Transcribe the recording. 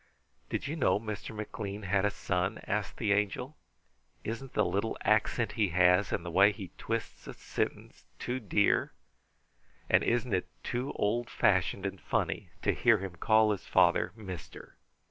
"Did you know Mr. McLean had a son?" asked the Angel. "Isn't the little accent he has, and the way he twists a sentence, too dear? And isn't it too old fashioned and funny to hear him call his father 'mister'?"